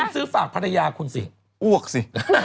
ซื้อฝากภรรยาคุณสิอ้วกสิ